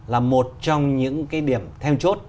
là một trong những cái điểm thêm chốt